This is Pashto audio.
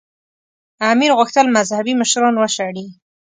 امیر غوښتل مذهبي مشران وشړي.